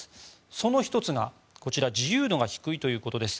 その１つがこちら自由度が低いということです。